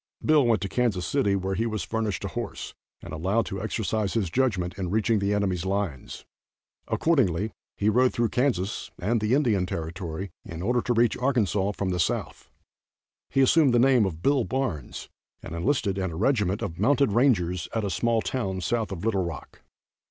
Bill went to Kansas City, where he was furnished a horse, and allowed to exercise his judgment in reaching the enemy's lines. Accordingly, he rode through Kansas and the Indian Territory in order to reach Arkansas from the south. He assumed the name of Bill Barnes, and enlisted in a regiment of mounted rangers at a small town south of Little Rock.